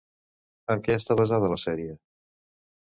En què està basada la sèrie?